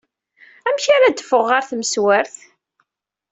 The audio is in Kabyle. Amek ara adfeɣ ɣer tmeswart?